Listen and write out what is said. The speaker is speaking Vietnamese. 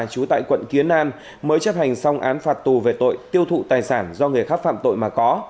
chú tại quận kiến an mới chấp hành xong án phạt tù về tội tiêu thụ tài sản do người khác phạm tội mà có